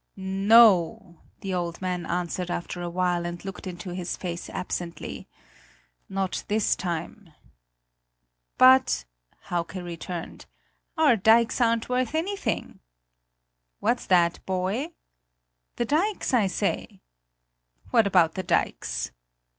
"No," the old man answered after a while and looked into his face absently "not this time." "But," Hauke returned, "our dikes aren't worth anything." "What's that, boy?" "The dikes, I say." "What about the dikes?"